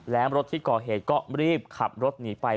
แล้วรถที่ก่อเหตุก็รีบขับรถหนีไป